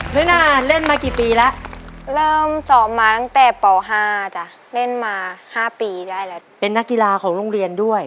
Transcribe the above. น้อยน่าเล่นมากี่ปีแล้วเริ่มสอบมาตั้งแต่ป่อห้าจ้ะ